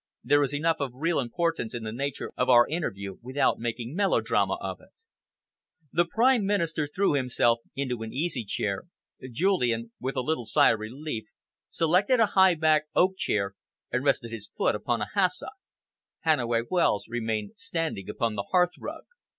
There is enough of real importance in the nature of our interview without making melodrama of it." The Prime Minister threw himself into an easy chair. Julian, with a little sigh of relief, selected a high backed oak chair and rested his foot upon a hassock. Hannaway Wells remained standing upon the hearthrug.